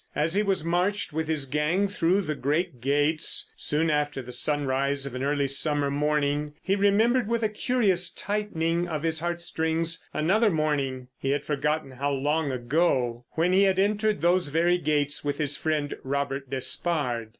As he was marched with his gang through the great gates soon after the sunrise of an early summer morning he remembered with a curious tightening of his heart strings another morning—he had forgotten how long ago—when he had entered those very gates with his friend Robert Despard.